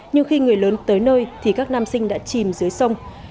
nhưng khi người lớn tới nơi thì các nam sinh đã chìm dưới sông